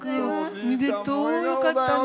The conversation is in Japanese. おめでとう、よかったね。